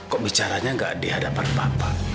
kok bicaranya gak dihadapan bapak